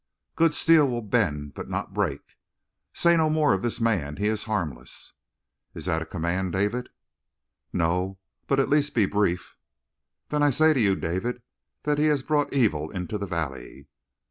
"Good steel will bend, but not break." "Say no more of this man. He is harmless." "Is that a command, David?" "No but at least be brief." "Then I say to you, David, that he has brought evil into the valley."